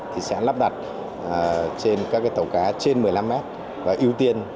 thì sẽ lắp đặt trên các tàu cá trên một mươi năm mét và ưu tiên